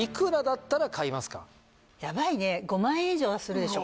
ヤバいね５万円以上はするでしょ